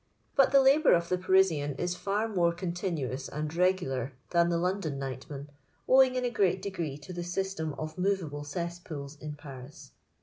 But the labour of the Faridan ia for more conti nuous aud regular than the London nightman, cmiaa in a great desree to the qratem of mowMs cesspooU inParifl.